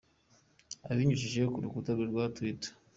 Abinyujije ku rukuta rwe rwa twitter.